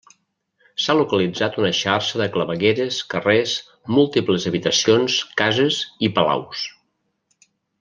S'ha localitzat una xarxa de clavegueres, carrers, múltiples habitacions, cases i palaus.